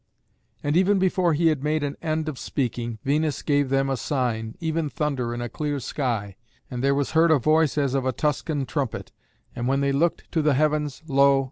And even before he had made an end of speaking, Venus gave them a sign, even thunder in a clear sky; and there was heard a voice as of a Tuscan trumpet, and when they looked to the heavens, lo!